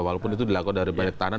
walaupun itu dilakukan dari banyak tahanan